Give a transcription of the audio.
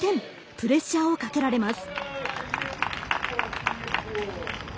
プレッシャーをかけられます。